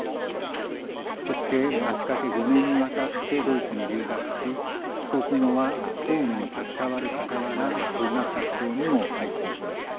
そして足かけ５年にわたってドイツに留学し帰国後は公務に携わるかたわら文学活動にも入っていきました。